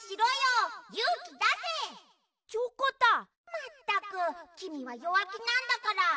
まったくきみはよわきなんだから。